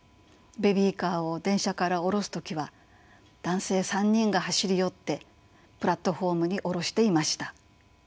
ベビーカーを電車から降ろす時は男性３人が走り寄ってプラットホームに降ろしていました。